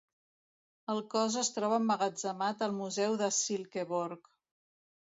El cos es troba emmagatzemat al Museu de Silkeborg.